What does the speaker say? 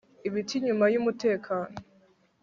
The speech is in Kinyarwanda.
ibiti nyuma yumutekano